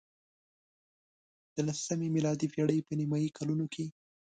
د لسمې میلادي پېړۍ په نیمايي کلونو کې.